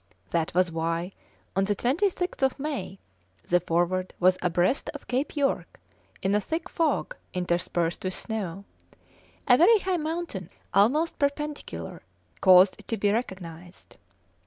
That was why, on the 26th of May, the Forward was abreast of Cape York in a thick fog interspersed with snow; a very high mountain, almost perpendicular, caused it to be recognised.